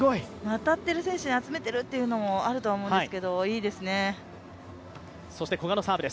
当たってる選手に集めているというのもあると思うんですけど、いいですね。